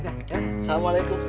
ya ya assalamualaikum